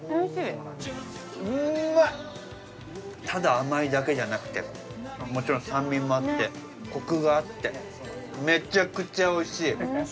ただ甘いだけじゃなくてもちろん酸味もあってコクがあってめちゃくちゃおいしい。